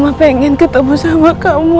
aku pengen ketemu sama kamu